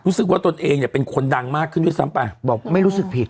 รู้สึกว่าตนเองเนี่ยเป็นคนดังมากขึ้นอยู่ซ้ำไปบอกไม่รู้สึกผิด